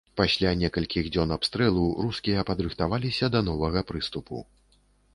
Пасля некалькіх дзён абстрэлу, рускія падрыхтаваліся да новага прыступу.